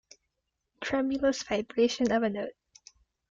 Tremulous vibration of a note.